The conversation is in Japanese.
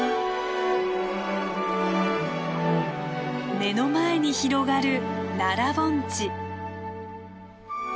目の前に広がる奈良盆地。